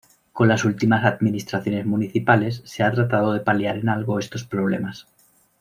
Con las últimas administraciones municipales se ha tratado de paliar en algo estos problemas.